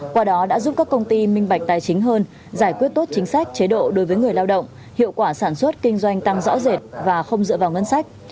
qua đó đã giúp các công ty minh bạch tài chính hơn giải quyết tốt chính sách chế độ đối với người lao động hiệu quả sản xuất kinh doanh tăng rõ rệt và không dựa vào ngân sách